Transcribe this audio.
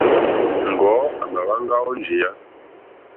Njɔ̀ɔ́ à mà hwáŋgá ó njìyá.